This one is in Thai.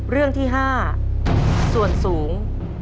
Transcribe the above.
เรื่องที่๕ส่วนสูง